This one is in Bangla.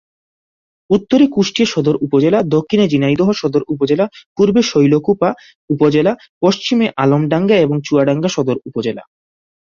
উত্তরে কুষ্টিয়া সদর উপজেলা, দক্ষিণে ঝিনাইদহ সদর উপজেলা, পূর্বে শৈলকুপা উপজেলা, পশ্চিমে আলমডাঙ্গা এবং চুয়াডাঙ্গা সদর উপজেলা।